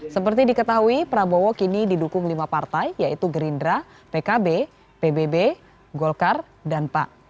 seperti diketahui prabowo kini didukung lima partai yaitu gerindra pkb pbb golkar dan pan